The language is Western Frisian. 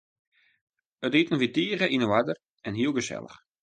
It iten wie tige yn oarder en hiel gesellich.